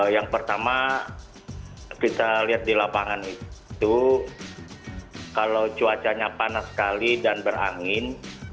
yang pertama kita lihat di lapangan itu kalau cuacanya panas sekali dan berangin